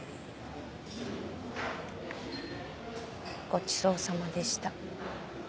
ごちそうさまでした。